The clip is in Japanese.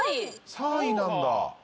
３位なんだ。